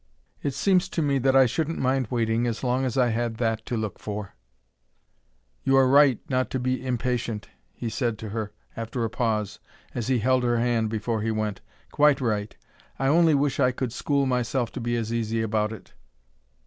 It seems to me that I shouldn't mind waiting as long as I had that to look for." "You are right not to be impatient," he said to her, after a pause, as he held her hand before he went. "Quite right. I only wish I could school myself to be as easy about it."